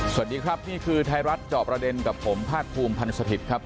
สวัสดีครับนี่คือไทยรัฐจอบประเด็นกับผมภาคภูมิพันธ์สถิตย์ครับ